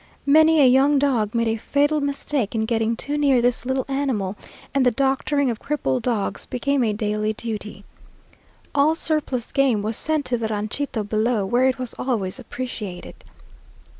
Many a young dog made a fatal mistake in getting too near this little animal, and the doctoring of crippled dogs became a daily duty. All surplus game was sent to the ranchito below, where it was always appreciated.